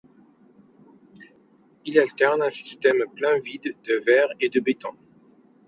Il alterne un système plein-vide de verre et de béton.